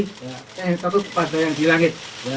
saya hanya terpaksa kepada yang di langit